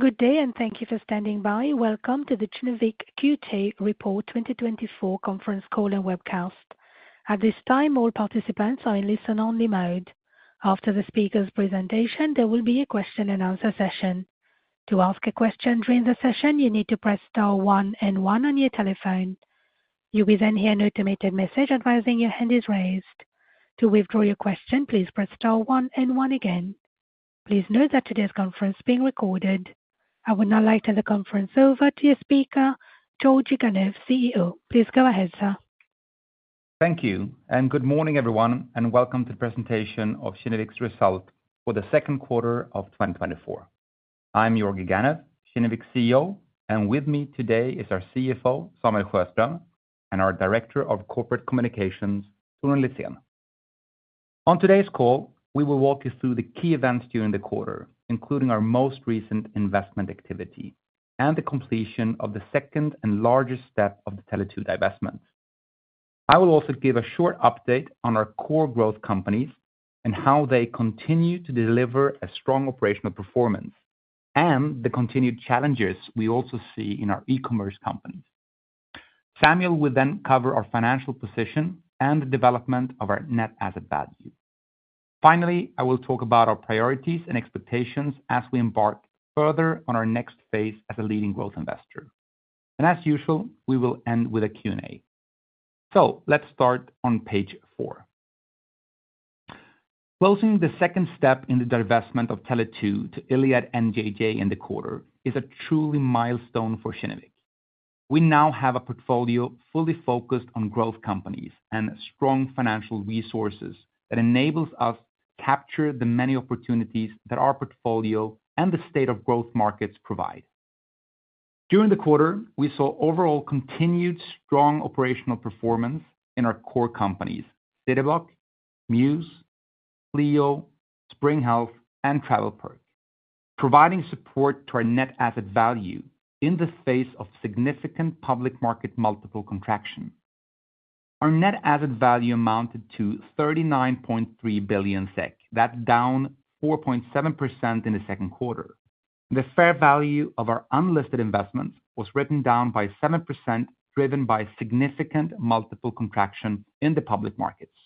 Good day, and thank you for standing by. Welcome to the Kinnevik Q2 Report 2024 conference call and webcast. At this time, all participants are in listen-only mode. After the speaker's presentation, there will be a question-and-answer session. To ask a question during the session, you need to press star one and one on your telephone. You will then hear an automated message advising your hand is raised. To withdraw your question, please press star one and one again. Please note that today's conference is being recorded. I would now like to turn the conference over to your speaker, Georgi Ganev, CEO. Please go ahead, sir. Thank you, and good morning, everyone, and welcome to the presentation of Kinnevik's result for the second quarter of 2024. I'm Georgi Ganev, Kinnevik CEO, and with me today is our CFO, Samuel Sjöström, and our Director of Corporate Communications, Torun Litzén. On today's call, we will walk you through the key events during the quarter, including our most recent investment activity and the completion of the second and largest step of the Tele2 investment. I will also give a short update on our core growth companies and how they continue to deliver a strong operational performance and the continued challenges we also see in our e-commerce companies. Samuel will then cover our financial position and the development of our net asset value. Finally, I will talk about our priorities and expectations as we embark further on our next phase as a leading growth investor. As usual, we will end with a Q&A. So let's start on page four. Closing the second step in the divestment of Tele2 to Iliad NJJ in the quarter is a true milestone for Kinnevik. We now have a portfolio fully focused on growth companies and strong financial resources that enables us to capture the many opportunities that our portfolio and the state of growth markets provide. During the quarter, we saw overall continued strong operational performance in our core companies: Cityblock, Mews, Clio, Spring Health, and TravelPerk, providing support to our net asset value in the face of significant public market multiple contraction. Our net asset value amounted to 39.3 billion SEK, that's down 4.7% in the second quarter. The fair value of our unlisted investments was written down by 7%, driven by significant multiple contraction in the public markets.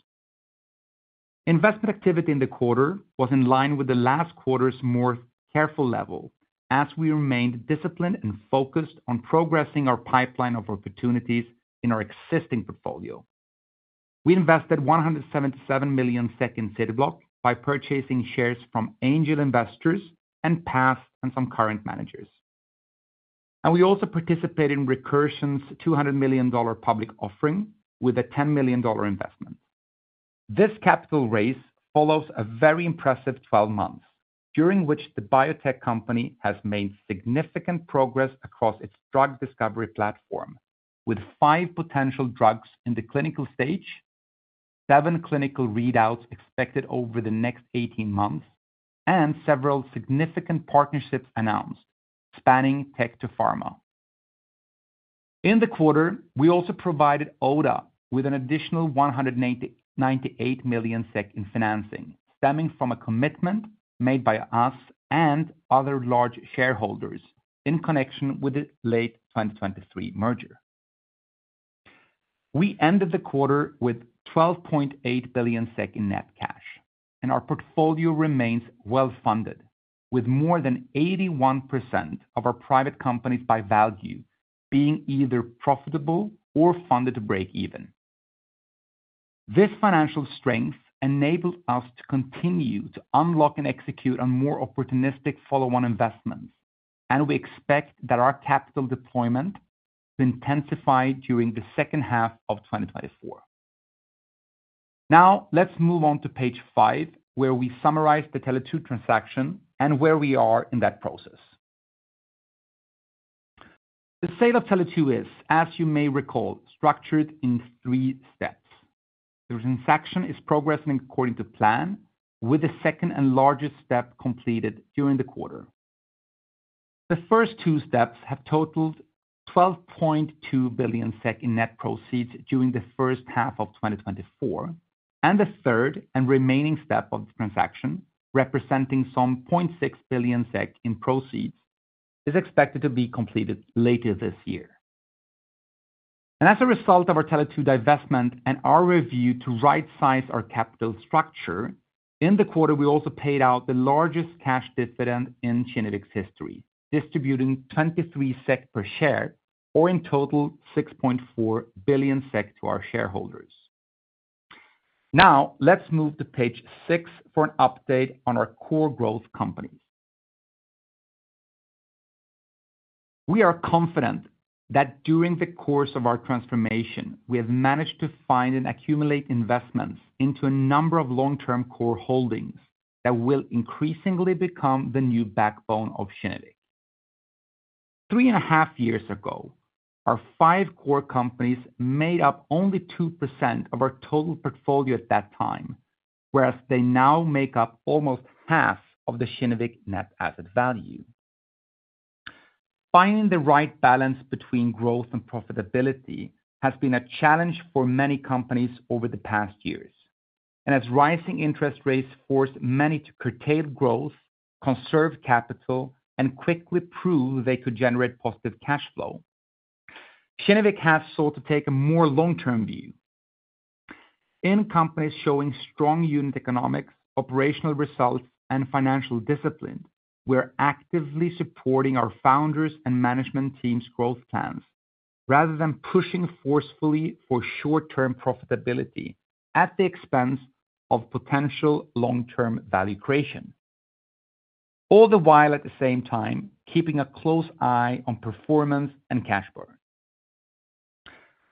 Investment activity in the quarter was in line with the last quarter's more careful level, as we remained disciplined and focused on progressing our pipeline of opportunities in our existing portfolio. We invested 177 million in Clio by purchasing shares from angel investors and past and some current managers. We also participated in Recursion's $200 million public offering with a $10 million investment. This capital raise follows a very impressive 12 months, during which the biotech company has made significant progress across its drug discovery platform, with five potential drugs in the clinical stage, seven clinical readouts expected over the next 18 months, and several significant partnerships announced spanning tech to pharma. In the quarter, we also provided Oda with an additional 198 million SEK in financing, stemming from a commitment made by us and other large shareholders in connection with the late 2023 merger. We ended the quarter with 12.8 billion SEK in net cash, and our portfolio remains well funded, with more than 81% of our private companies by value being either profitable or funded to break even. This financial strength enabled us to continue to unlock and execute on more opportunistic follow-on investments, and we expect that our capital deployment to intensify during the second half of 2024. Now, let's move on to page five, where we summarize the Tele2 transaction and where we are in that process. The sale of Tele2 is, as you may recall, structured in three steps. The transaction is progressing according to plan, with the second and largest step completed during the quarter. The first two steps have totaled 12.2 billion SEK in net proceeds during the first half of 2024, and the third and remaining step of the transaction, representing some 0.6 billion SEK in proceeds, is expected to be completed later this year. As a result of our Tele2 divestment and our review to right-size our capital structure, in the quarter, we also paid out the largest cash dividend in Kinnevik's history, distributing 23 SEK per share, or in total 6.4 billion SEK to our shareholders. Now, let's move to page six for an update on our core growth companies. We are confident that during the course of our transformation, we have managed to find and accumulate investments into a number of long-term core holdings that will increasingly become the new backbone of Kinnevik. Three and a half years ago, our five core companies made up only 2% of our total portfolio at that time, whereas they now make up almost half of the Kinnevik net asset value. Finding the right balance between growth and profitability has been a challenge for many companies over the past years. As rising interest rates forced many to curtail growth, conserve capital, and quickly prove they could generate positive cash flow, Kinnevik has sought to take a more long-term view. In companies showing strong unit economics, operational results, and financial discipline, we are actively supporting our founders' and management team's growth plans, rather than pushing forcefully for short-term profitability at the expense of potential long-term value creation, all the while at the same time keeping a close eye on performance and cash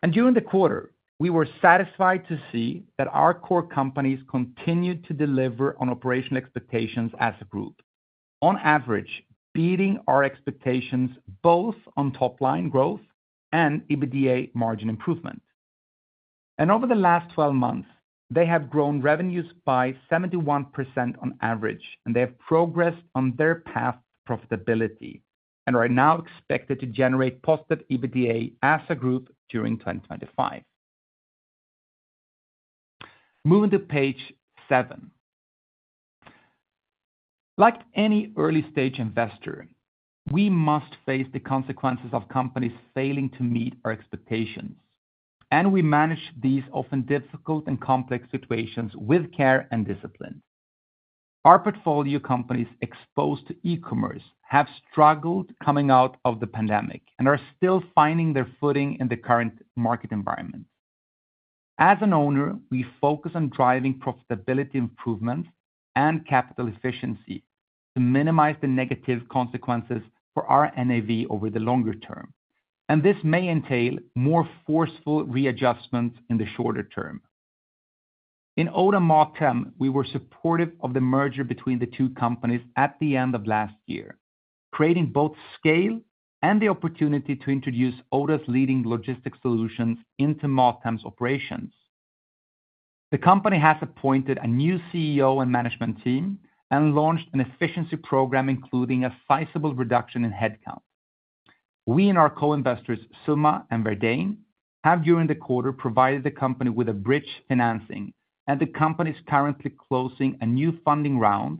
burn. During the quarter, we were satisfied to see that our core companies continued to deliver on operational expectations as a group, on average beating our expectations both on top-line growth and EBITDA margin improvement. Over the last 12 months, they have grown revenues by 71% on average, and they have progressed on their path to profitability and are now expected to generate positive EBITDA as a group during 2025. Moving to page seven. Like any early-stage investor, we must face the consequences of companies failing to meet our expectations, and we manage these often difficult and complex situations with care and discipline. Our portfolio companies exposed to e-commerce have struggled coming out of the pandemic and are still finding their footing in the current market environment. As an owner, we focus on driving profitability improvements and capital efficiency to minimize the negative consequences for our NAV over the longer term, and this may entail more forceful readjustments in the shorter term. In Oda/Mathem, we were supportive of the merger between the two companies at the end of last year, creating both scale and the opportunity to introduce Oda's leading logistics solutions into Mathem's operations. The company has appointed a new CEO and management team and launched an efficiency program, including a sizable reduction in headcount. We and our co-investors, Summa and Verdane, have during the quarter provided the company with a bridge financing, and the company is currently closing a new funding round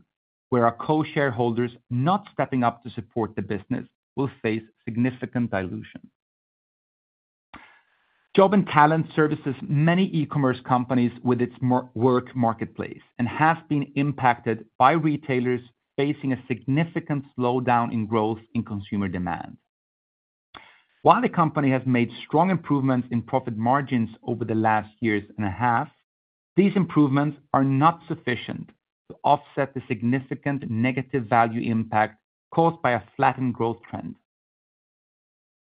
where our co-shareholders, not stepping up to support the business, will face significant dilution. Job&Talent services many e-commerce companies with its work marketplace and has been impacted by retailers facing a significant slowdown in growth in consumer demand. While the company has made strong improvements in profit margins over the last year and a half, these improvements are not sufficient to offset the significant negative value impact caused by a flattened growth trend.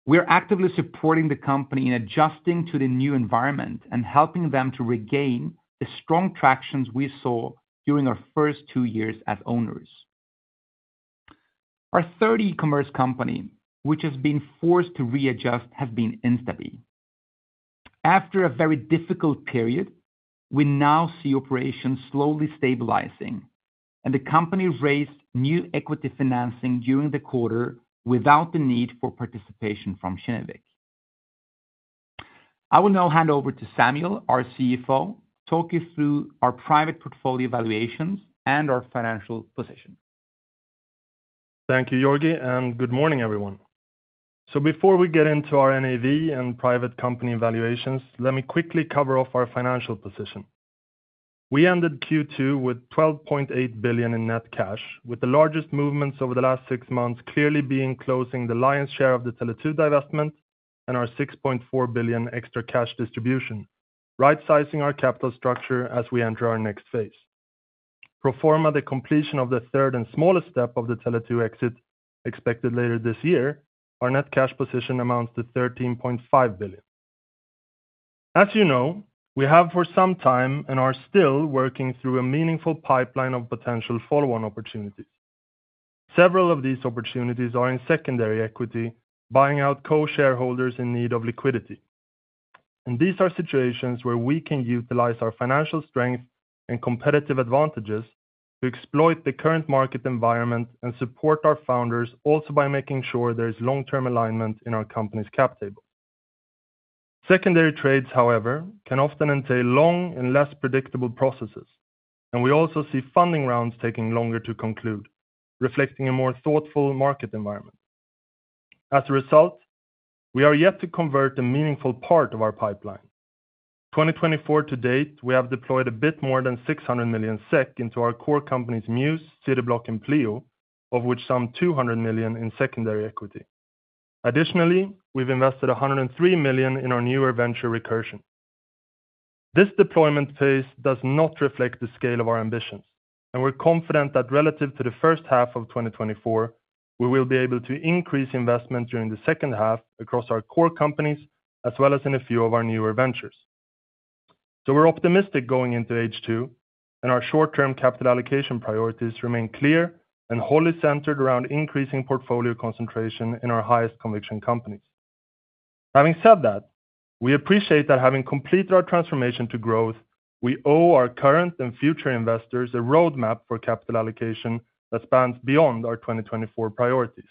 We are actively supporting the company in adjusting to the new environment and helping them to regain the strong traction we saw during our first two years as owners. Our third e-commerce company, which has been forced to readjust, has been Instabee. After a very difficult period, we now see operations slowly stabilizing, and the company raised new equity financing during the quarter without the need for participation from Kinnevik. I will now hand over to Samuel, our CFO, to talk you through our private portfolio evaluations and our financial position. Thank you, Georgi, and good morning, everyone. So before we get into our NAV and private company evaluations, let me quickly cover off our financial position. We ended Q2 with 12.8 billion in net cash, with the largest movements over the last six months clearly being closing the lion's share of the Tele2 divestment and our 6.4 billion extra cash distribution, right-sizing our capital structure as we enter our next phase. Pro forma the completion of the third and smallest step of the Tele2 exit expected later this year, our net cash position amounts to 13.5 billion. As you know, we have for some time and are still working through a meaningful pipeline of potential follow-on opportunities. Several of these opportunities are in secondary equity, buying out co-shareholders in need of liquidity. These are situations where we can utilize our financial strength and competitive advantages to exploit the current market environment and support our founders, also by making sure there is long-term alignment in our company's cap table. Secondary trades, however, can often entail long and less predictable processes, and we also see funding rounds taking longer to conclude, reflecting a more thoughtful market environment. As a result, we are yet to convert a meaningful part of our pipeline. 2024 to date, we have deployed a bit more than 600 million SEK into our core companies Mews, Cityblock, and Clio, of which some 200 million in secondary equity. Additionally, we've invested 103 million in our newer venture, Recursion. This deployment phase does not reflect the scale of our ambitions, and we're confident that relative to the first half of 2024, we will be able to increase investment during the second half across our core companies, as well as in a few of our newer ventures. So we're optimistic going into H2, and our short-term capital allocation priorities remain clear and wholly centered around increasing portfolio concentration in our highest conviction companies. Having said that, we appreciate that having completed our transformation to growth, we owe our current and future investors a roadmap for capital allocation that spans beyond our 2024 priorities.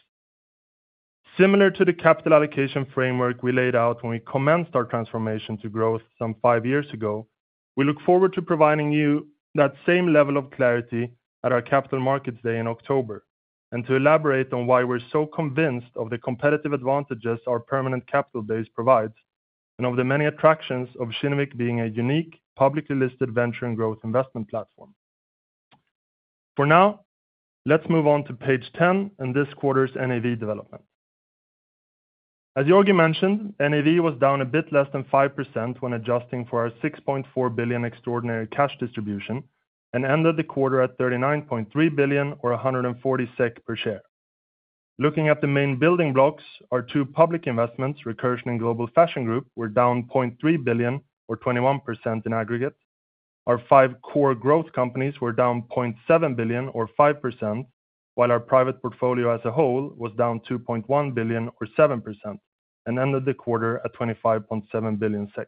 Similar to the capital allocation framework we laid out when we commenced our transformation to growth some five years ago, we look forward to providing you that same level of clarity at our Capital Markets Day in October and to elaborate on why we're so convinced of the competitive advantages our permanent capital base provides and of the many attractions of Kinnevik being a unique publicly listed venture and growth investment platform. For now, let's move on to page 10 and this quarter's NAV development. As Georgi mentioned, NAV was down a bit less than 5% when adjusting for our 6.4 billion extraordinary cash distribution and ended the quarter at 39.3 billion, or 140 SEK per share. Looking at the main building blocks, our two public investments, Recursion and Global Fashion Group, were down 0.3 billion, or 21% in aggregate. Our five core growth companies were down 0.7 billion, or 5%, while our private portfolio as a whole was down 2.1 billion, or 7%, and ended the quarter at 25.7 billion SEK.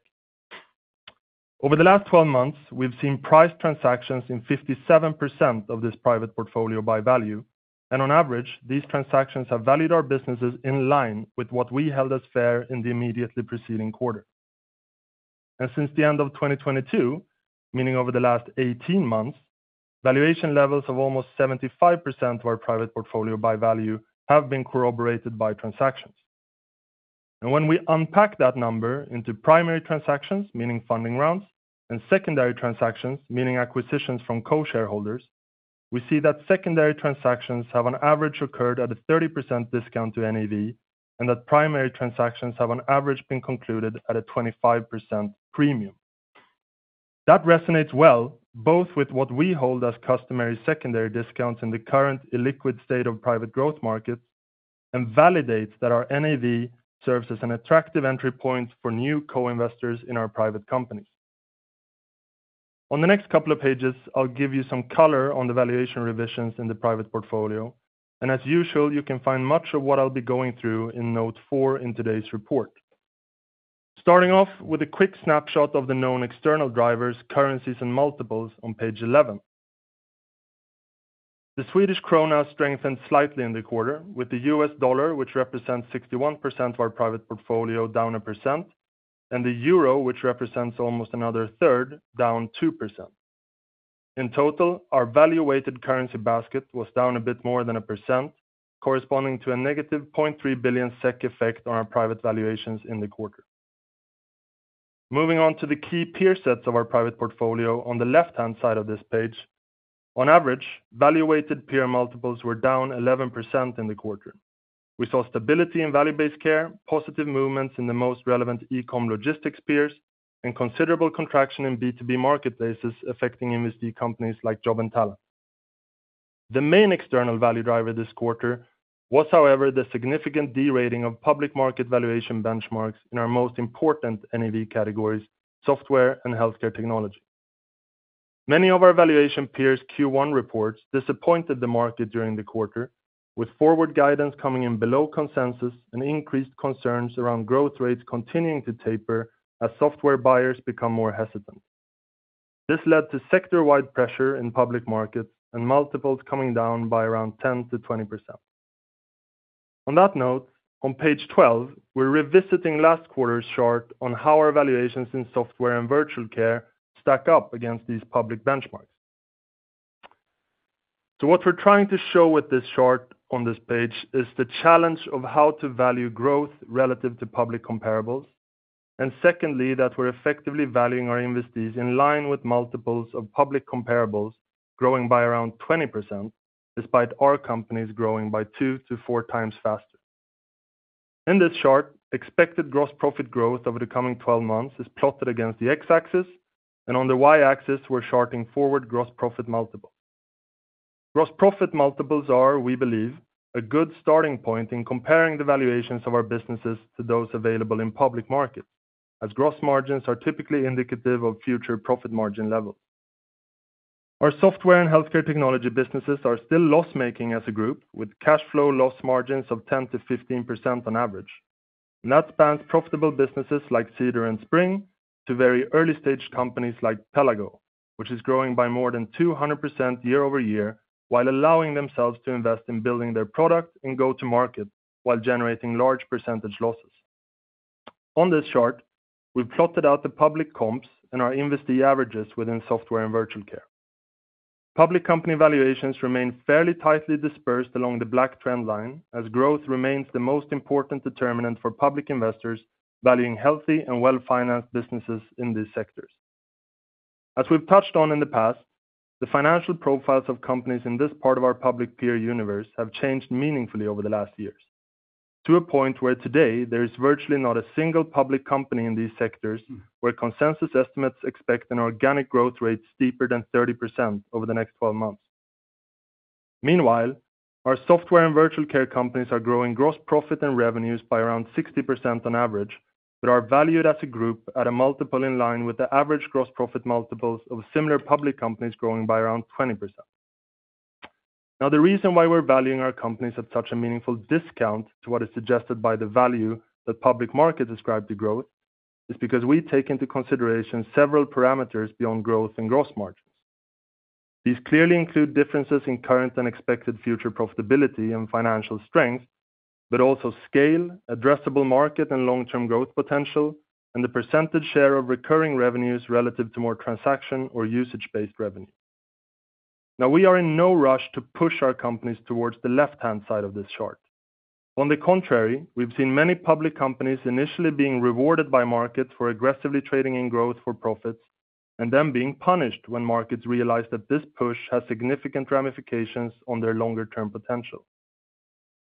Over the last 12 months, we've seen price transactions in 57% of this private portfolio by value, and on average, these transactions have valued our businesses in line with what we held as fair in the immediately preceding quarter. And since the end of 2022, meaning over the last 18 months, valuation levels of almost 75% of our private portfolio by value have been corroborated by transactions. And when we unpack that number into primary transactions, meaning funding rounds, and secondary transactions, meaning acquisitions from co-shareholders, we see that secondary transactions have on average occurred at a 30% discount to NAV and that primary transactions have on average been concluded at a 25% premium. That resonates well, both with what we hold as customary secondary discounts in the current illiquid state of private growth markets and validates that our NAV serves as an attractive entry point for new co-investors in our private companies. On the next couple of pages, I'll give you some color on the valuation revisions in the private portfolio, and as usual, you can find much of what I'll be going through in note four in today's report. Starting off with a quick snapshot of the known external drivers, currencies, and multiples on page 11. The Swedish krona strengthened slightly in the quarter, with the US dollar, which represents 61% of our private portfolio, down 1%, and the Euro, which represents almost another third, down 2%. In total, our valuated currency basket was down a bit more than 1%, corresponding to a negative 0.3 billion SEK effect on our private valuations in the quarter. Moving on to the key peer sets of our private portfolio on the left-hand side of this page, on average, valuated peer multiples were down 11% in the quarter. We saw stability in value-based care, positive movements in the most relevant e-com logistics peers, and considerable contraction in B2B marketplaces affecting investment companies like Job&Talent. The main external value driver this quarter was, however, the significant derating of public market valuation benchmarks in our most important NAV categories, software and healthcare technology. Many of our valuation peers' Q1 reports disappointed the market during the quarter, with forward guidance coming in below consensus and increased concerns around growth rates continuing to taper as software buyers become more hesitant. This led to sector-wide pressure in public markets and multiples coming down by around 10%-20%. On that note, on page 12, we're revisiting last quarter's chart on how our valuations in software and virtual care stack up against these public benchmarks. So what we're trying to show with this chart on this page is the challenge of how to value growth relative to public comparables, and secondly, that we're effectively valuing our investees in line with multiples of public comparables growing by around 20%, despite our companies growing by two to four times faster. In this chart, expected gross profit growth over the coming 12 months is plotted against the X-axis, and on the Y-axis, we're charting forward gross profit multiples. Gross profit multiples are, we believe, a good starting point in comparing the valuations of our businesses to those available in public markets, as gross margins are typically indicative of future profit margin levels. Our software and healthcare technology businesses are still loss-making as a group, with cash flow loss margins of 10%-15% on average. That spans profitable businesses like Cedar and Spring to very early-stage companies like Pelago, which is growing by more than 200% year-over-year while allowing themselves to invest in building their product and go-to-market while generating large percentage losses. On this chart, we've plotted out the public comps and our investee averages within software and virtual care. Public company valuations remain fairly tightly dispersed along the black trend line, as growth remains the most important determinant for public investors valuing healthy and well-financed businesses in these sectors. As we've touched on in the past, the financial profiles of companies in this part of our public peer universe have changed meaningfully over the last years, to a point where today there is virtually not a single public company in these sectors where consensus estimates expect an organic growth rate steeper than 30% over the next 12 months. Meanwhile, our software and virtual care companies are growing gross profit and revenues by around 60% on average, but are valued as a group at a multiple in line with the average gross profit multiples of similar public companies growing by around 20%. Now, the reason why we're valuing our companies at such a meaningful discount to what is suggested by the value that public markets ascribe to growth is because we take into consideration several parameters beyond growth and gross margins. These clearly include differences in current and expected future profitability and financial strength, but also scale, addressable market and long-term growth potential, and the percentage share of recurring revenues relative to more transaction or usage-based revenue. Now, we are in no rush to push our companies towards the left-hand side of this chart. On the contrary, we've seen many public companies initially being rewarded by markets for aggressively trading in growth for profits and then being punished when markets realize that this push has significant ramifications on their longer-term potential.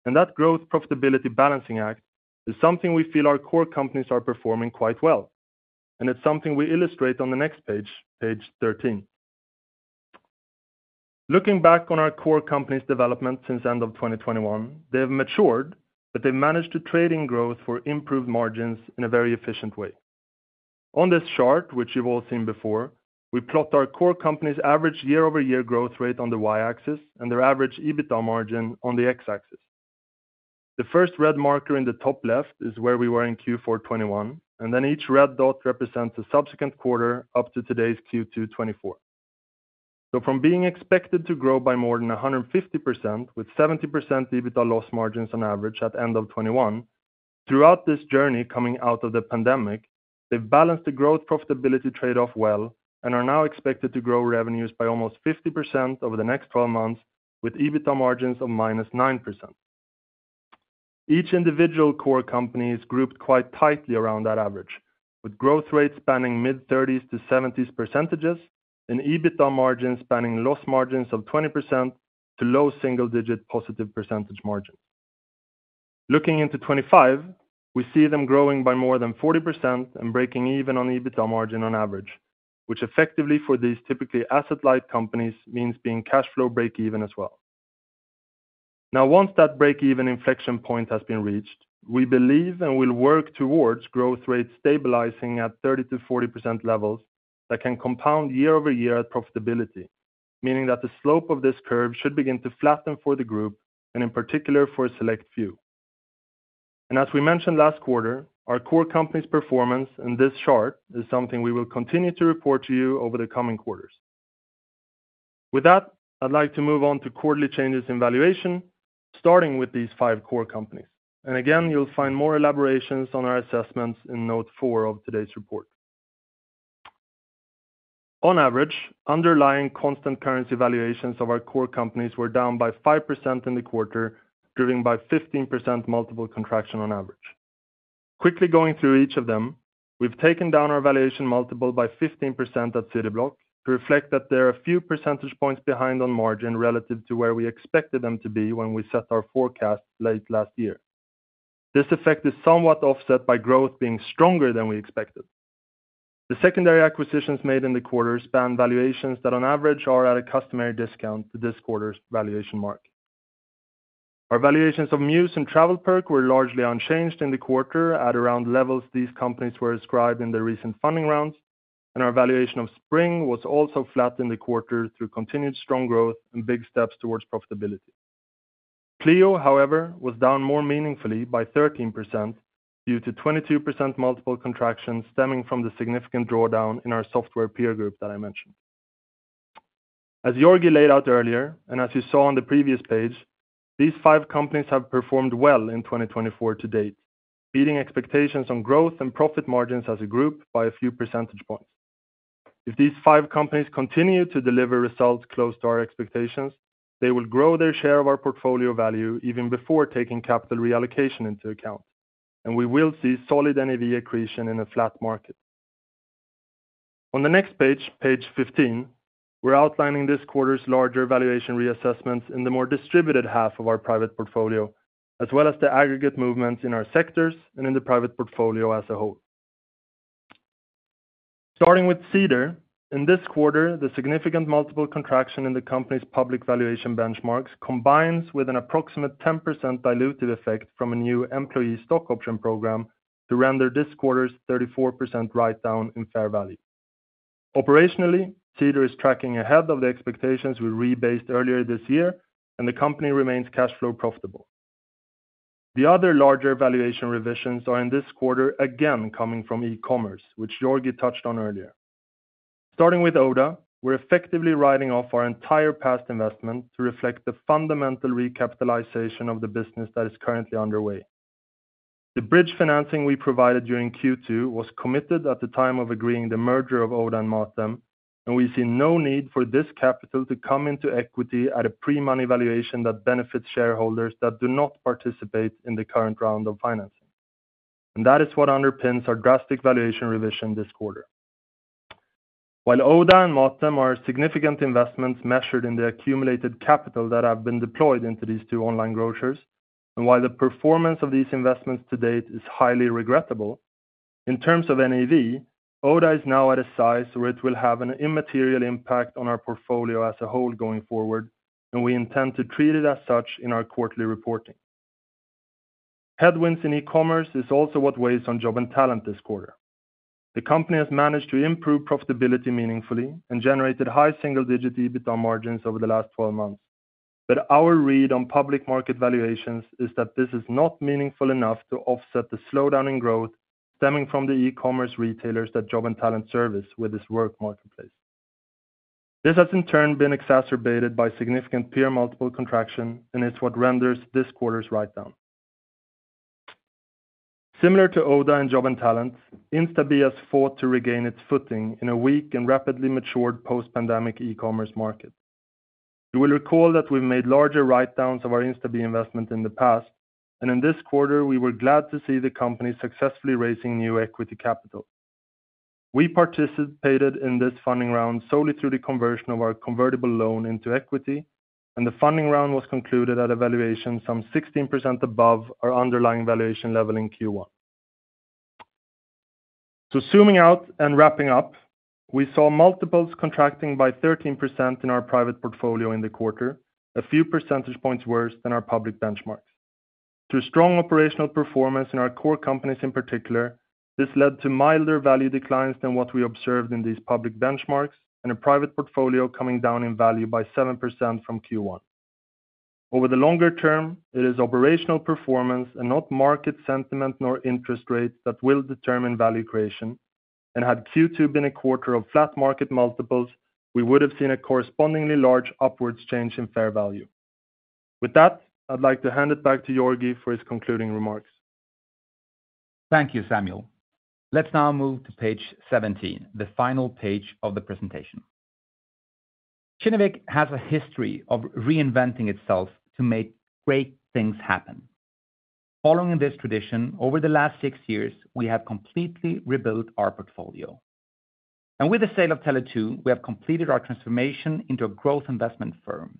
And that growth profitability balancing act is something we feel our core companies are performing quite well, and it's something we illustrate on the next page, page 13. Looking back on our core companies' development since the end of 2021, they have matured, but they've managed to trade in growth for improved margins in a very efficient way. On this chart, which you've all seen before, we plot our core company's average year-over-year growth rate on the Y-axis and their average EBITDA margin on the X-axis. The first red marker in the top left is where we were in Q4 2021, and then each red dot represents the subsequent quarter up to today's Q2 2024. So from being expected to grow by more than 150% with 70% EBITDA loss margins on average at the end of 2021, throughout this journey coming out of the pandemic, they've balanced the growth profitability trade-off well and are now expected to grow revenues by almost 50% over the next 12 months with EBITDA margins of -9%. Each individual core company is grouped quite tightly around that average, with growth rates spanning mid-30s%-70s% and EBITDA margins spanning loss margins of -20% to low single-digit positive percentage margins. Looking into 2025, we see them growing by more than 40% and breaking even on EBITDA margin on average, which effectively for these typically asset-light companies means being cash flow break-even as well. Now, once that break-even inflection point has been reached, we believe and will work towards growth rates stabilizing at 30%-40% levels that can compound year-over-year at profitability, meaning that the slope of this curve should begin to flatten for the group and in particular for a select few. As we mentioned last quarter, our core company's performance in this chart is something we will continue to report to you over the coming quarters. With that, I'd like to move on to quarterly changes in valuation, starting with these five core companies. Again, you'll find more elaborations on our assessments in note four of today's report. On average, underlying constant currency valuations of our core companies were down by 5% in the quarter, driven by 15% multiple contraction on average. Quickly going through each of them, we've taken down our valuation multiple by 15% at Cityblock to reflect that there are a few percentage points behind on margin relative to where we expected them to be when we set our forecast late last year. This effect is somewhat offset by growth being stronger than we expected. The secondary acquisitions made in the quarter span valuations that on average are at a customary discount to this quarter's valuation mark. Our valuations of Mews and TravelPerk were largely unchanged in the quarter at around levels these companies were ascribed in the recent funding rounds, and our valuation of Spring Health was also flat in the quarter through continued strong growth and big steps towards profitability. Clio, however, was down more meaningfully by 13% due to 22% multiple contraction stemming from the significant drawdown in our software peer group that I mentioned. As Georgi laid out earlier, and as you saw on the previous page, these five companies have performed well in 2024 to date, beating expectations on growth and profit margins as a group by a few percentage points. If these five companies continue to deliver results close to our expectations, they will grow their share of our portfolio value even before taking capital reallocation into account, and we will see solid NAV accretion in a flat market. On the next page, page 15, we're outlining this quarter's larger valuation reassessments in the more distributed half of our private portfolio, as well as the aggregate movements in our sectors and in the private portfolio as a whole. Starting with Cedar, in this quarter, the significant multiple contraction in the company's public valuation benchmarks combines with an approximate 10% dilutive effect from a new employee stock option program to render this quarter's 34% write-down in fair value. Operationally, Cedar is tracking ahead of the expectations we rebased earlier this year, and the company remains cash flow profitable. The other larger valuation revisions are in this quarter again coming from e-commerce, which Georgi touched on earlier. Starting with Oda, we're effectively writing off our entire past investment to reflect the fundamental recapitalization of the business that is currently underway. The bridge financing we provided during Q2 was committed at the time of agreeing the merger of Oda and Mathem, and we see no need for this capital to come into equity at a pre-money valuation that benefits shareholders that do not participate in the current round of financing. And that is what underpins our drastic valuation revision this quarter. While Oda and Mathem are significant investments measured in the accumulated capital that have been deployed into these two online grocers, and while the performance of these investments to date is highly regrettable, in terms of NAV, Oda is now at a size where it will have an immaterial impact on our portfolio as a whole going forward, and we intend to treat it as such in our quarterly reporting. Headwinds in e-commerce is also what weighs on Job&Talent this quarter. The company has managed to improve profitability meaningfully and generated high single-digit EBITDA margins over the last 12 months, but our read on public market valuations is that this is not meaningful enough to offset the slowdown in growth stemming from the e-commerce retailers that Job&Talent service with this work marketplace. This has, in turn, been exacerbated by significant peer multiple contraction, and it's what renders this quarter's write-down. Similar to Oda and Job&Talent, Instabee has fought to regain its footing in a weak and rapidly matured post-pandemic e-commerce market. You will recall that we've made larger write-downs of our Instabee investment in the past, and in this quarter, we were glad to see the company successfully raising new equity capital. We participated in this funding round solely through the conversion of our convertible loan into equity, and the funding round was concluded at a valuation some 16% above our underlying valuation level in Q1. So zooming out and wrapping up, we saw multiples contracting by 13% in our private portfolio in the quarter, a few percentage points worse than our public benchmarks. Through strong operational performance in our core companies in particular, this led to milder value declines than what we observed in these public benchmarks and a private portfolio coming down in value by 7% from Q1. Over the longer term, it is operational performance and not market sentiment nor interest rates that will determine value creation, and had Q2 been a quarter of flat market multiples, we would have seen a correspondingly large upwards change in fair value. With that, I'd like to hand it back to Georgi for his concluding remarks. Thank you, Samuel. Let's now move to page 17, the final page of the presentation. Kinnevik has a history of reinventing itself to make great things happen. Following this tradition, over the last six years, we have completely rebuilt our portfolio. With the sale of Tele2, we have completed our transformation into a growth investment firm.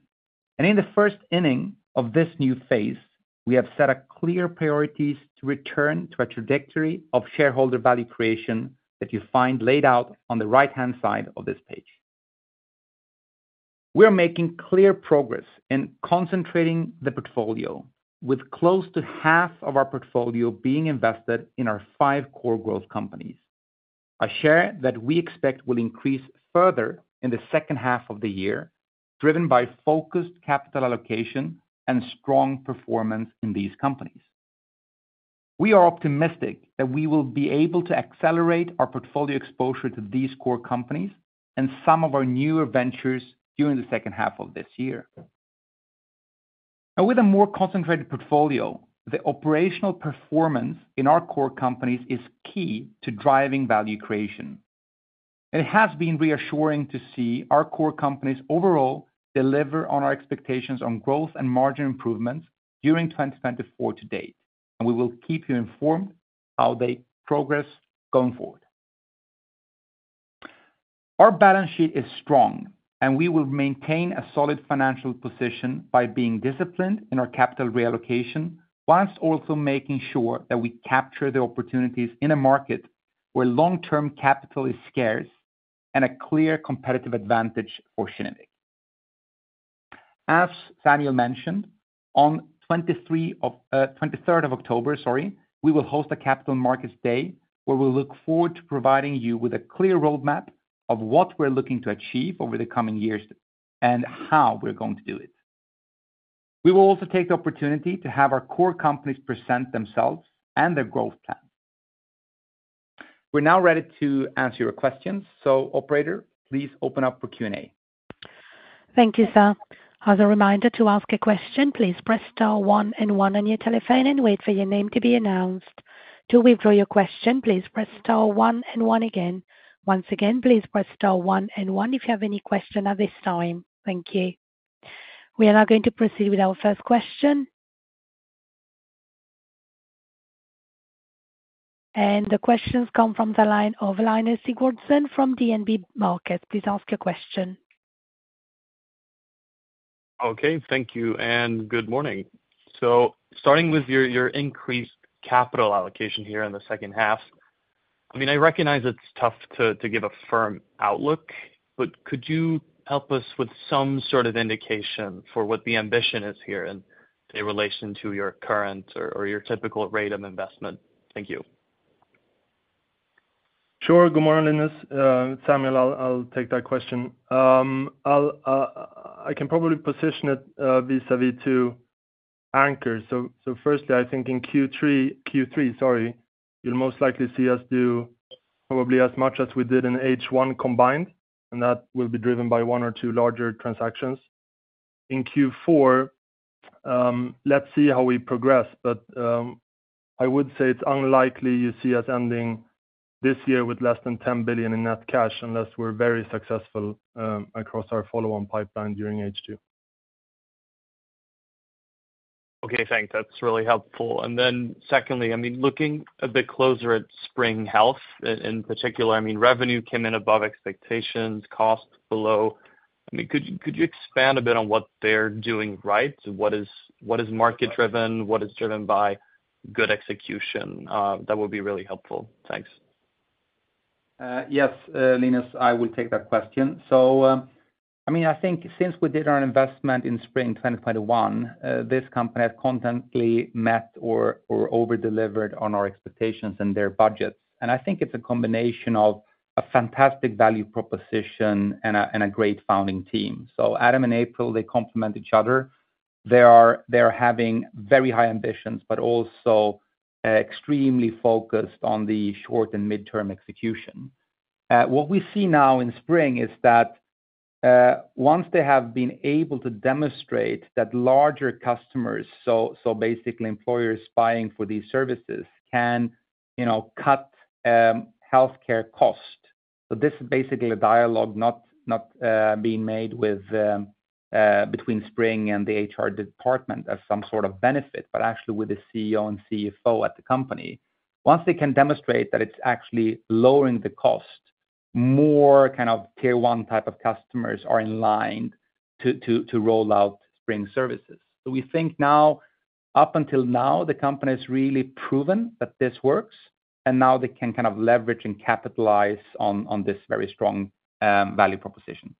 In the first inning of this new phase, we have set clear priorities to return to a trajectory of shareholder value creation that you find laid out on the right-hand side of this page. We are making clear progress in concentrating the portfolio, with close to half of our portfolio being invested in our five core growth companies, a share that we expect will increase further in the second half of the year, driven by focused capital allocation and strong performance in these companies. We are optimistic that we will be able to accelerate our portfolio exposure to these core companies and some of our newer ventures during the second half of this year. Now, with a more concentrated portfolio, the operational performance in our core companies is key to driving value creation. It has been reassuring to see our core companies overall deliver on our expectations on growth and margin improvements during 2024 to date, and we will keep you informed of how they progress going forward. Our balance sheet is strong, and we will maintain a solid financial position by being disciplined in our capital reallocation while also making sure that we capture the opportunities in a market where long-term capital is scarce and a clear competitive advantage for Kinnevik. As Samuel mentioned, on 23rd of October, sorry, we will host a Capital Markets Day where we'll look forward to providing you with a clear roadmap of what we're looking to achieve over the coming years and how we're going to do it. We will also take the opportunity to have our core companies present themselves and their growth plan. We're now ready to answer your questions. So, Operator, please open up for Q&A. Thank you, sir. As a reminder to ask a question, please press star one and one on your telephone and wait for your name to be announced. To withdraw your question, please press star one and one again. Once again, please press star one and one if you have any question at this time. Thank you. We are now going to proceed with our first question. And the questions come from the line of Linus Sigurdsson from DNB Markets. Please ask your question. Okay, thank you, and good morning. So, starting with your increased capital allocation here in the second half, I mean, I recognize it's tough to give a firm outlook, but could you help us with some sort of indication for what the ambition is here in relation to your current or your typical rate of investment? Thank you. Sure, good morning, Linus. Samuel, I'll take that question. I can probably position it vis-à-vis two anchors. So, firstly, I think in Q3, Q3, sorry, you'll most likely see us do probably as much as we did in H1 combined, and that will be driven by one or two larger transactions. In Q4, let's see how we progress, but I would say it's unlikely you see us ending this year with less than 10 billion in net cash unless we're very successful across our follow-on pipeline during H2. Okay, thanks. That's really helpful. And then secondly, I mean, looking a bit closer at Spring Health in particular, I mean, revenue came in above expectations, cost below. I mean, could you expand a bit on what they're doing right? What is market-driven? What is driven by good execution? That would be really helpful. Thanks. Yes, Linus, I will take that question. So, I mean, I think since we did our investment in Spring 2021, this company has consistently met or over-delivered on our expectations and their budgets. And I think it's a combination of a fantastic value proposition and a great founding team. So, Adam and April, they complement each other. They are having very high ambitions, but also extremely focused on the short and mid-term execution. What we see now in Spring is that once they have been able to demonstrate that larger customers, so basically employers buying for these services, can cut healthcare costs. So, this is basically a dialogue not being made between Spring and the HR department as some sort of benefit, but actually with the CEO and CFO at the company. Once they can demonstrate that it's actually lowering the cost, more kind of tier-one type of customers are in line to roll out Spring services. So, we think now, up until now, the company has really proven that this works, and now they can kind of leverage and capitalize on this very strong value proposition.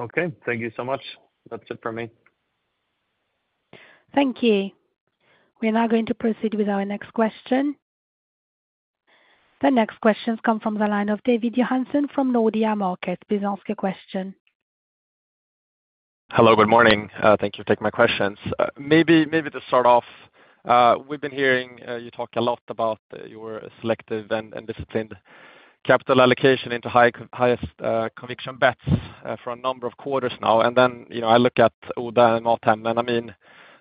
Okay, thank you so much. That's it for me. Thank you. We're now going to proceed with our next question. The next questions come from the line of David Johansson from Nordea Markets. Please ask your question. Hello, good morning. Thank you for taking my questions. Maybe to start off, we've been hearing you talk a lot about your selective and disciplined capital allocation into highest conviction bets for a number of quarters now. And then I look at Oda and Mathem, and I mean,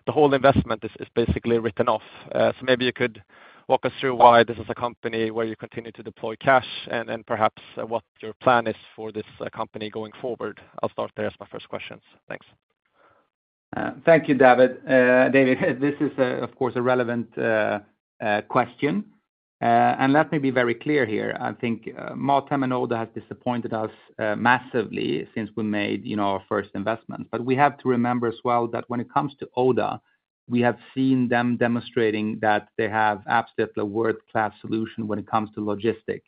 the whole investment is basically written off. So, maybe you could walk us through why this is a company where you continue to deploy cash and perhaps what your plan is for this company going forward. I'll start there as my first questions. Thanks. Thank you, David. David, this is, of course, a relevant question. And let me be very clear here. I think Mathem and Oda have disappointed us massively since we made our first investment. But we have to remember as well that when it comes to Oda, we have seen them demonstrating that they have absolutely a world-class solution when it comes to logistics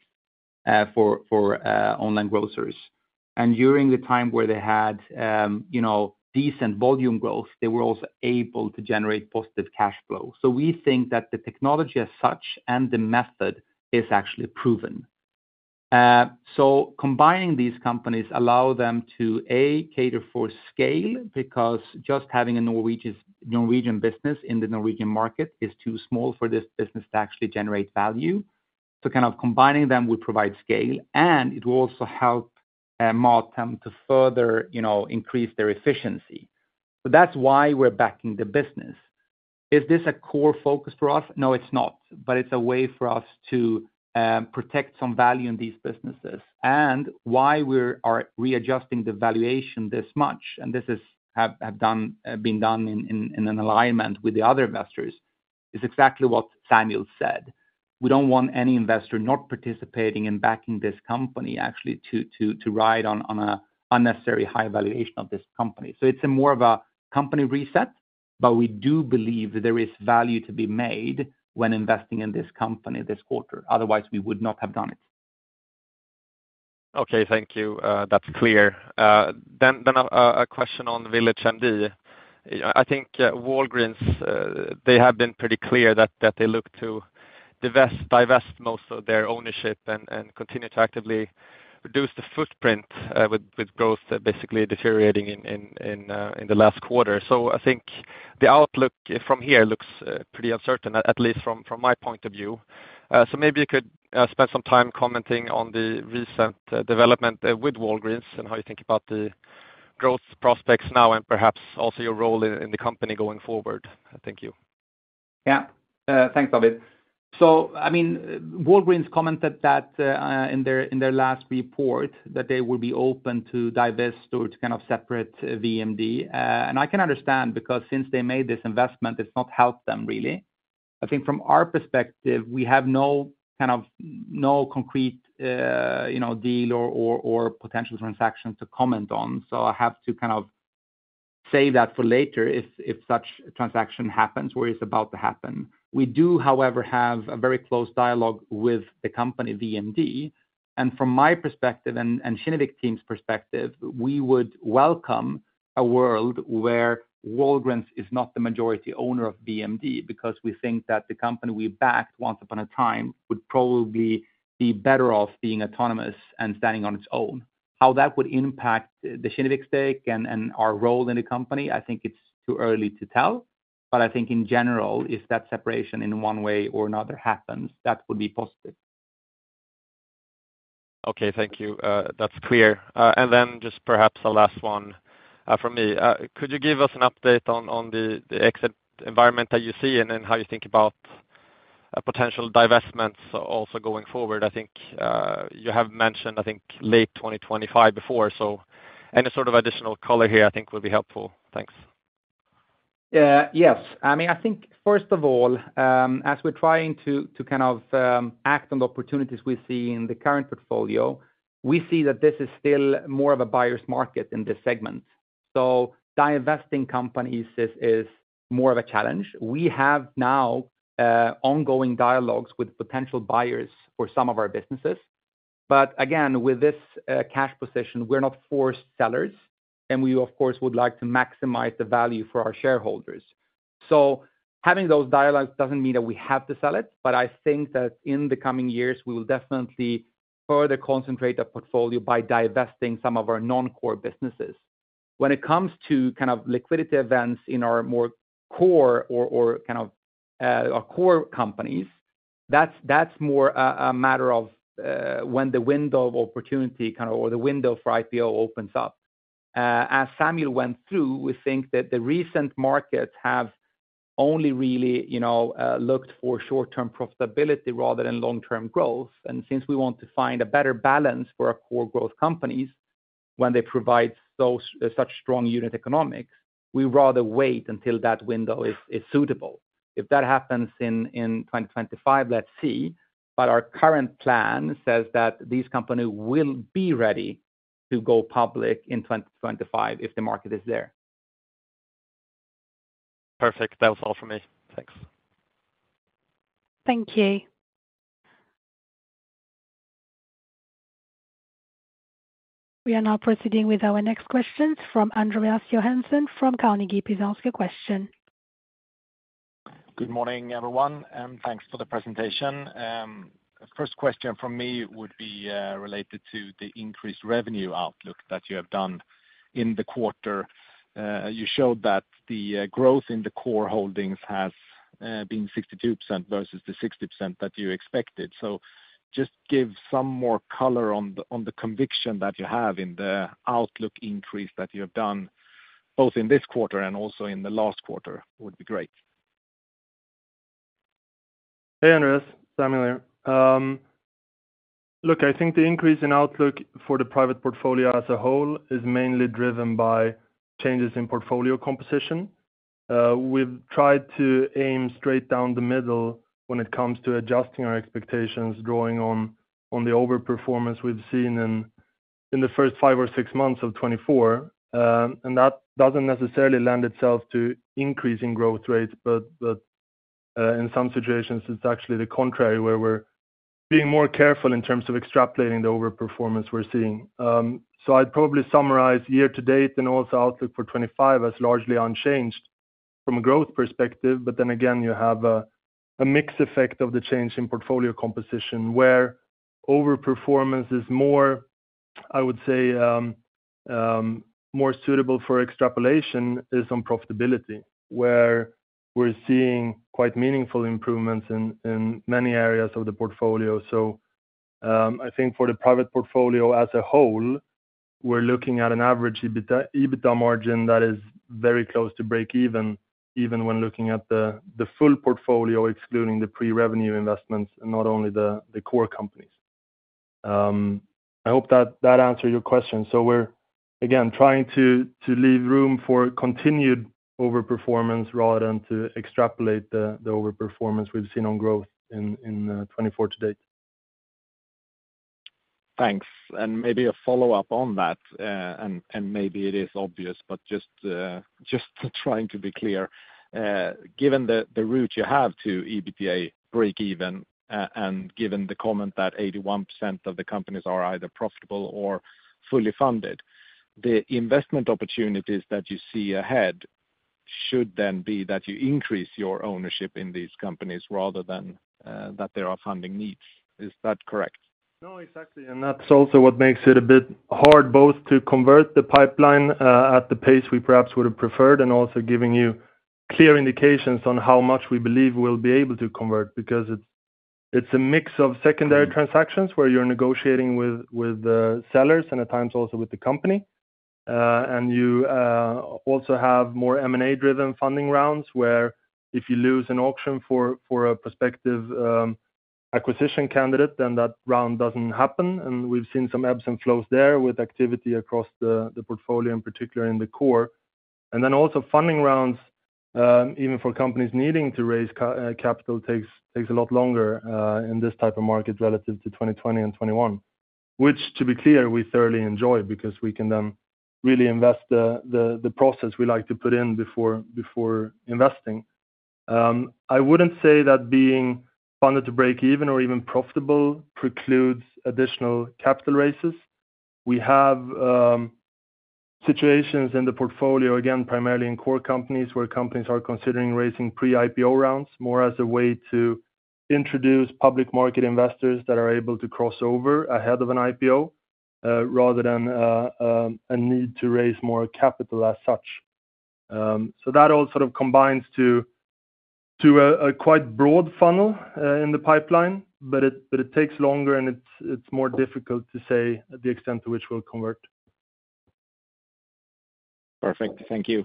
for online grocers. And during the time where they had decent volume growth, they were also able to generate positive cash flow. So, we think that the technology as such and the method is actually proven. So, combining these companies allows them to, A, cater for scale because just having a Norwegian business in the Norwegian market is too small for this business to actually generate value. So, kind of combining them would provide scale, and it will also help Mathem to further increase their efficiency. So, that's why we're backing the business. Is this a core focus for us? No, it's not, but it's a way for us to protect some value in these businesses. And why we are readjusting the valuation this much, and this has been done in an alignment with the other investors, is exactly what Samuel said. We don't want any investor not participating in backing this company actually to ride on an unnecessary high valuation of this company. So, it's more of a company reset, but we do believe there is value to be made when investing in this company this quarter. Otherwise, we would not have done it. Okay, thank you. That's clear. Then a question on VillageMD. I think Walgreens, they have been pretty clear that they look to divest most of their ownership and continue to actively reduce the footprint with growth basically deteriorating in the last quarter. So, I think the outlook from here looks pretty uncertain, at least from my point of view. So, maybe you could spend some time commenting on the recent development with Walgreens and how you think about the growth prospects now and perhaps also your role in the company going forward. Thank you. Yeah, thanks, David. So, I mean, Walgreens commented that in their last report that they would be open to divest or to kind of separate VillageMD. And I can understand because since they made this investment, it's not helped them really. I think from our perspective, we have no kind of concrete deal or potential transaction to comment on. So, I have to kind of save that for later if such a transaction happens or is about to happen. We do, however, have a very close dialogue with the company VillageMD. And from my perspective and Kinnevik team's perspective, we would welcome a world where Walgreens is not the majority owner of VillageMD because we think that the company we backed once upon a time would probably be better off being autonomous and standing on its own. How that would impact the Kinnevik stake and our role in the company, I think it's too early to tell. But I think in general, if that separation in one way or another happens, that would be positive. Okay, thank you. That's clear. And then just perhaps the last one for me. Could you give us an update on the exit environment that you see and how you think about potential divestments also going forward? I think you have mentioned, I think, late 2025 before. So, any sort of additional color here I think would be helpful. Thanks. Yes. I mean, I think first of all, as we're trying to kind of act on the opportunities we see in the current portfolio, we see that this is still more of a buyer's market in this segment. So, divesting companies is more of a challenge. We have now ongoing dialogues with potential buyers for some of our businesses. But again, with this cash position, we're not forced sellers, and we, of course, would like to maximize the value for our shareholders. So, having those dialogues doesn't mean that we have to sell it, but I think that in the coming years, we will definitely further concentrate our portfolio by divesting some of our non-core businesses. When it comes to kind of liquidity events in our more core or kind of our core companies, that's more a matter of when the window of opportunity kind of or the window for IPO opens up. As Samuel went through, we think that the recent markets have only really looked for short-term profitability rather than long-term growth. And since we want to find a better balance for our core growth companies when they provide such strong unit economics, we'd rather wait until that window is suitable. If that happens in 2025, let's see. But our current plan says that these companies will be ready to go public in 2025 if the market is there. Perfect. That was all for me. Thanks. Thank you. We are now proceeding with our next questions from Andreas Joelsson from Carnegie. Next question. Good morning, everyone, and thanks for the presentation. First question from me would be related to the increased revenue outlook that you have done in the quarter. You showed that the growth in the core holdings has been 62% versus the 60% that you expected. So, just give some more color on the conviction that you have in the outlook increase that you have done both in this quarter and also in the last quarter would be great? Hey, Anders, Samuel here. Look, I think the increase in outlook for the private portfolio as a whole is mainly driven by changes in portfolio composition. We've tried to aim straight down the middle when it comes to adjusting our expectations, drawing on the overperformance we've seen in the first five or six months of 2024. And that doesn't necessarily lend itself to increasing growth rates, but in some situations, it's actually the contrary where we're being more careful in terms of extrapolating the overperformance we're seeing. So, I'd probably summarize year-to-date and also outlook for 2025 as largely unchanged from a growth perspective. But then again, you have a mixed effect of the change in portfolio composition where overperformance is more, I would say, more suitable for extrapolation is on profitability where we're seeing quite meaningful improvements in many areas of the portfolio. So, I think for the private portfolio as a whole, we're looking at an average EBITDA margin that is very close to break-even, even when looking at the full portfolio excluding the pre-revenue investments and not only the core companies. I hope that answered your question. So, we're again trying to leave room for continued overperformance rather than to extrapolate the overperformance we've seen on growth in 2024 to date. Thanks. And maybe a follow-up on that, and maybe it is obvious, but just trying to be clear. Given the route you have to EBITDA break-even and given the comment that 81% of the companies are either profitable or fully funded, the investment opportunities that you see ahead should then be that you increase your ownership in these companies rather than that there are funding needs. Is that correct? No, exactly. And that's also what makes it a bit hard both to convert the pipeline at the pace we perhaps would have preferred and also giving you clear indications on how much we believe we'll be able to convert because it's a mix of secondary transactions where you're negotiating with sellers and at times also with the company. And you also have more M&A-driven funding rounds where if you lose an auction for a prospective acquisition candidate, then that round doesn't happen. We've seen some ebbs and flows there with activity across the portfolio, in particular in the core. Then also funding rounds, even for companies needing to raise capital, takes a lot longer in this type of market relative to 2022 and 2021, which, to be clear, we thoroughly enjoy because we can then really invest the process we like to put in before investing. I wouldn't say that being funded to break-even or even profitable precludes additional capital races. We have situations in the portfolio, again, primarily in core companies where companies are considering raising pre-IPO rounds more as a way to introduce public market investors that are able to cross over ahead of an IPO rather than a need to raise more capital as such. So, that all sort of combines to a quite broad funnel in the pipeline, but it takes longer and it's more difficult to say the extent to which we'll convert. Perfect. Thank you.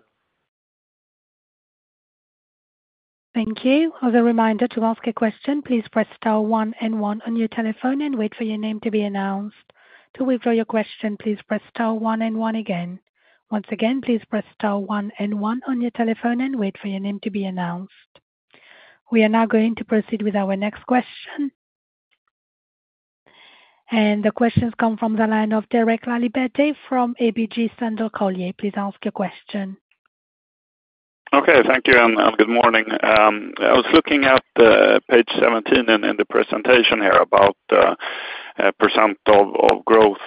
Thank you. As a reminder to ask a question, please press star one and one on your telephone and wait for your name to be announced. To withdraw your question, please press star one and one again. Once again, please press star one and one on your telephone and wait for your name to be announced. We are now going to proceed with our next question. The questions come from the line of Derek Laliberté from ABG Sundal Collier. Please ask your question. Okay, thank you and good morning. I was looking at page 17 in the presentation here about the percent of growth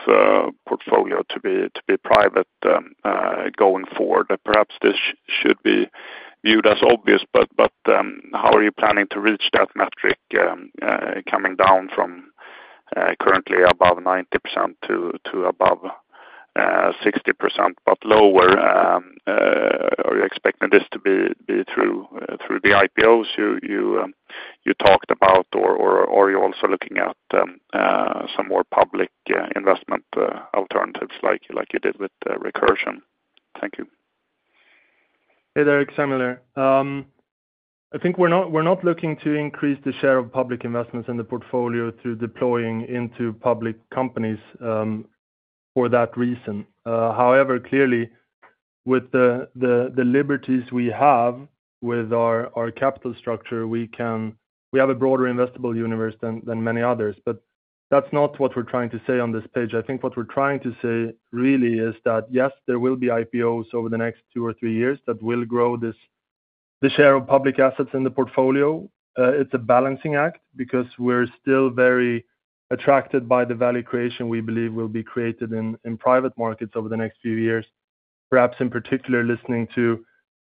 portfolio to be private going forward. Perhaps this should be viewed as obvious, but how are you planning to reach that metric coming down from currently above 90% to above 60% but lower? Are you expecting this to be through the IPOs you talked about, or are you also looking at some more public investment alternatives like you did with Recursion? Thank you. Hey, Derek. Samuel here. I think we're not looking to increase the share of public investments in the portfolio through deploying into public companies for that reason. However, clearly, with the liberties we have with our capital structure, we have a broader investable universe than many others. But that's not what we're trying to say on this page. I think what we're trying to say really is that, yes, there will be IPOs over the next two or three years that will grow the share of public assets in the portfolio. It's a balancing act because we're still very attracted by the value creation we believe will be created in private markets over the next few years, perhaps in particular listening to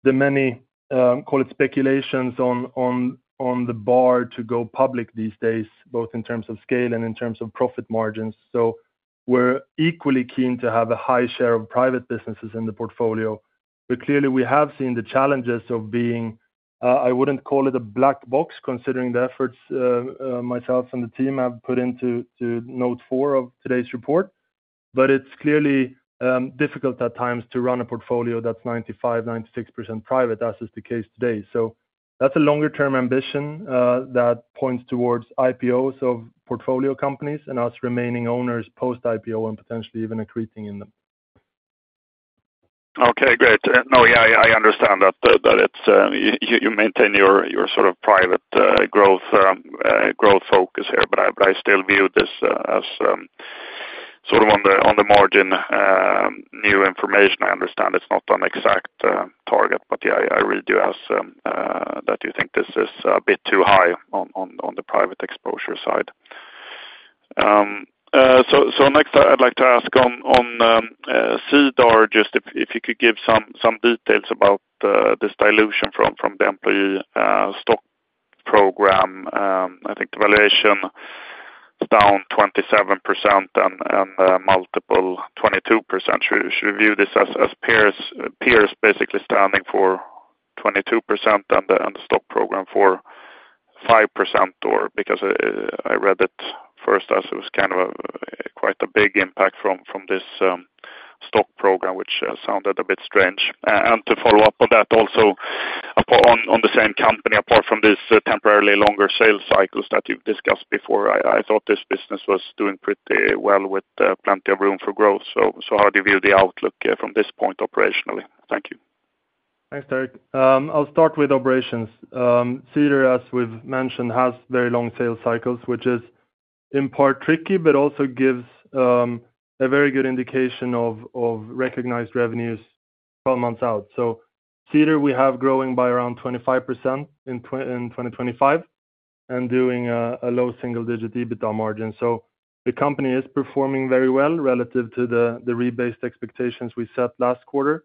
the many, call it speculations on the bar to go public these days, both in terms of scale and in terms of profit margins. So, we're equally keen to have a high share of private businesses in the portfolio. But clearly, we have seen the challenges of being, I wouldn't call it a black box considering the efforts myself and the team have put into note four of today's report. But it's clearly difficult at times to run a portfolio that's 95%-96% private, as is the case today. So, that's a longer-term ambition that points towards IPOs of portfolio companies and us remaining owners post-IPO and potentially even accreting in them. Okay, great. No, yeah, I understand that you maintain your sort of private growth focus here, but I still view this as sort of on the margin new information. I understand it's not an exact target, but yeah, I read you as that you think this is a bit too high on the private exposure side. So, next, I'd like to ask on Cedar, just if you could give some details about this dilution from the employee stock program. I think the valuation is down 27% and multiple 22%. Should we view this as peers basically standing for 22% and the stock program for 5%? Because I read it first as it was kind of quite a big impact from this stock program, which sounded a bit strange. And to follow up on that also, on the same company, apart from these temporarily longer sales cycles that you've discussed before, I thought this business was doing pretty well with plenty of room for growth. So, how do you view the outlook from this point operationally? Thank you. Thanks, Derek. I'll start with operations. Cedar, as we've mentioned, has very long sales cycles, which is in part tricky but also gives a very good indication of recognized revenues 12 months out. So, Cedar, we have growing by around 25% in 2025 and doing a low single-digit EBITDA margin. So, the company is performing very well relative to the rebased expectations we set last quarter.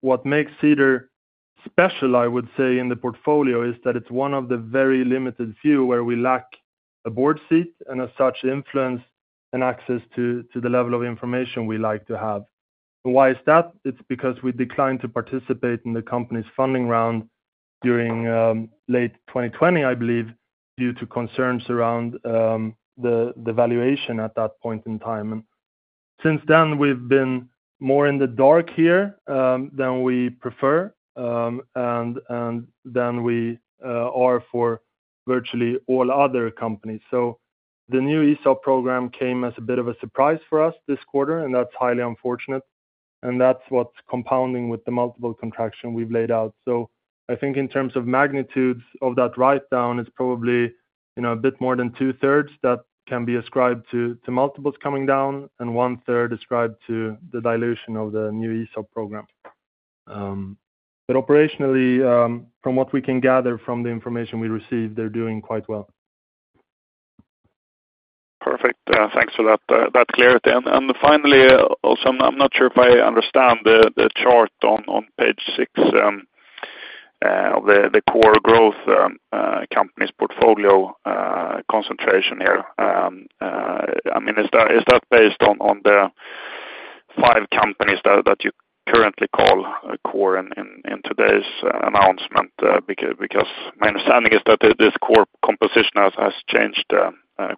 What makes Cedar special, I would say, in the portfolio is that it's one of the very limited few where we lack a board seat and, as such, influence and access to the level of information we like to have. Why is that? It's because we declined to participate in the company's funding round during late 2020, I believe, due to concerns around the valuation at that point in time. And since then, we've been more in the dark here than we prefer, and then we are for virtually all other companies. So, the new ESOP program came as a bit of a surprise for us this quarter, and that's highly unfortunate. And that's what's compounding with the multiple contraction we've laid out. So, I think in terms of magnitudes of that write-down, it's probably a bit more than 2/3 that can be ascribed to multiples coming down and 1/3 ascribed to the dilution of the new ESOP program. But operationally, from what we can gather from the information we received, they're doing quite well. Perfect. Thanks for that clarity. And finally, also, I'm not sure if I understand the chart on page six of the core growth company's portfolio concentration here. I mean, is that based on the five companies that you currently call core in today's announcement? Because my understanding is that this core composition has changed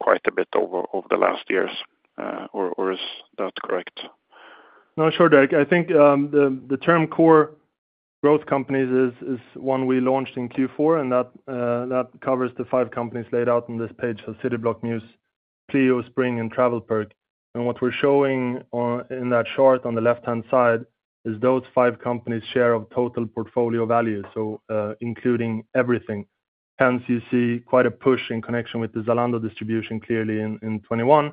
quite a bit over the last years. Or is that correct? No, sure, Derek. I think the term core growth companies is one we launched in Q4, and that covers the five companies laid out on this page of Cityblock, Mews, Clio, Spring Health, and TravelPerk. And what we're showing in that chart on the left-hand side is those five companies' share of total portfolio value, so including everything. Hence, you see quite a push in connection with the Zalando distribution clearly in 2021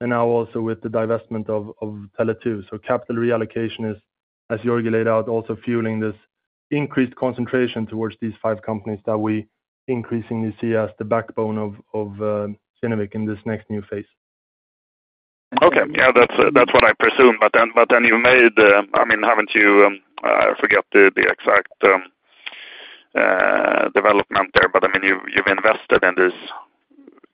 and now also with the divestment of Tele2. So, capital reallocation is, as Georgi laid out, also fueling this increased concentration towards these five companies that we increasingly see as the backbone of Kinnevik in this next new phase. Okay. Yeah, that's what I presume. But then you've made, I mean, haven't you? I forget the exact development there, but I mean, you've invested in these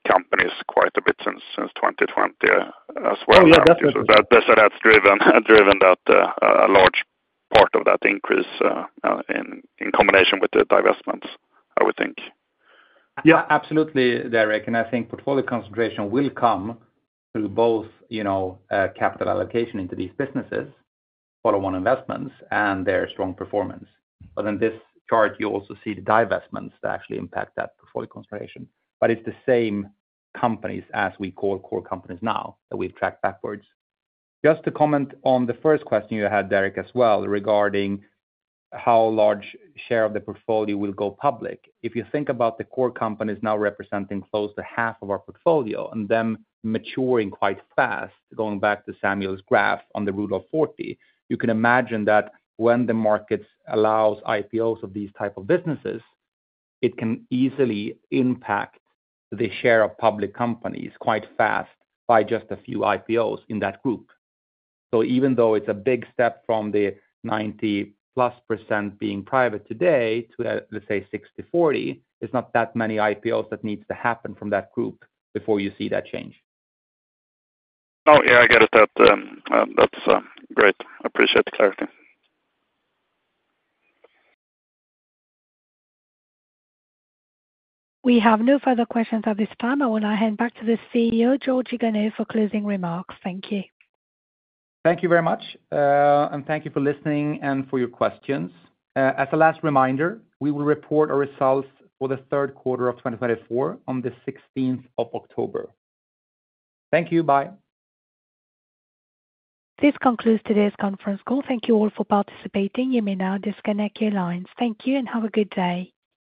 companies quite a bit since 2020 as well. Oh, yeah, definitely. So that's driven a large part of that increase in combination with the divestments, I would think. Yeah, absolutely, Derek. And I think portfolio concentration will come through both capital allocation into these businesses, follow-on investments, and their strong performance. But in this chart, you also see the divestments that actually impact that portfolio concentration. But it's the same companies as we call core companies now that we've tracked backwards. Just to comment on the first question you had, Derek, as well, regarding how large a share of the portfolio will go public. If you think about the core companies now representing close to half of our portfolio and them maturing quite fast, going back to Samuel's graph on the Rule of 40, you can imagine that when the markets allow IPOs of these types of businesses, it can easily impact the share of public companies quite fast by just a few IPOs in that group. So, even though it's a big step from the 90+% being private today to, let's say, 60/40, it's not that many IPOs that need to happen from that group before you see that change. Oh, yeah, I get it. That's great. I appreciate the clarity. We have no further questions at this time. I will now hand back to the CEO, Georgi Ganev, for closing remarks. Thank you. Thank you very much. And thank you for listening and for your questions. As a last reminder, we will report our results for the third quarter of 2024 on the 16th of October. Thank you. Bye. This concludes today's conference call. Thank you all for participating. You may now disconnect your lines. Thank you and have a good day.